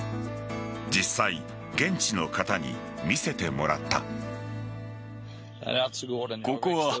実際、現地の方に見せてもらった。